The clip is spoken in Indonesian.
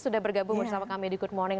sudah bergabung bersama kami di good morning